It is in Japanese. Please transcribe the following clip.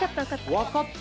分かった？